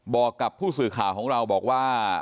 บอกกับผู้สื่อข่าวของเราบอกว่า